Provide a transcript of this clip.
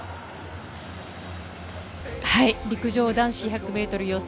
陸上男子１００ｍ予選。